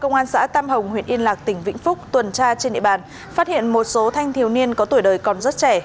công an xã tam hồng huyện yên lạc tỉnh vĩnh phúc tuần tra trên địa bàn phát hiện một số thanh thiếu niên có tuổi đời còn rất trẻ